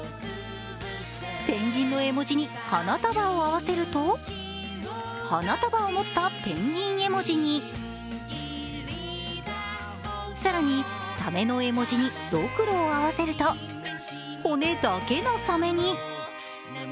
ペンギンの絵文字に花束を合わせると、花束を持ったペンギン絵文字に更に、サメの絵文字にどくろを合わせると骨だけのサメに。